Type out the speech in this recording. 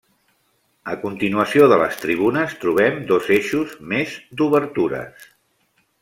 A continuació de les tribunes trobem dos eixos més d'obertures.